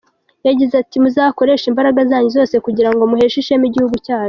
Yagize ati “Muzakoreshe imbaraga zanyu zose kugira ngo muheshe ishema igihugu cyacu.